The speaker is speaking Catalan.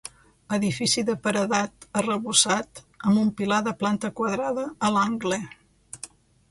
Edifici de paredat, arrebossat, amb un pilar de planta quadrada a l'angle.